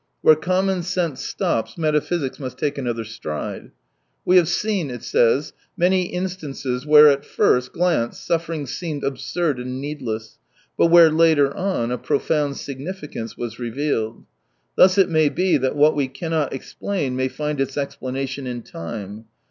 Where common sense stops, metaphysics must take another stride. " We have seen," it says, "many instances where at first glance suffering seemed absurd and needless, but where later on a profound significancei was revealed. Thus it may be that what we cannot explain may find its explanation in time.